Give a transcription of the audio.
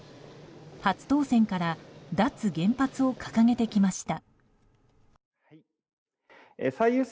初当選から脱原発を掲げてきました。